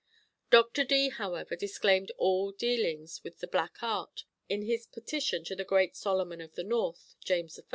Dr. Dee, however, disclaimed all dealings with "the black art" in his petition to the great "Solomon of the North," James I.